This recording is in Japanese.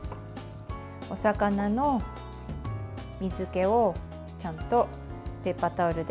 お魚の水けを、ちゃんとペーパータオルで取りましょう。